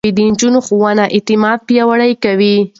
د نجونو ښوونه اعتماد پياوړی کوي.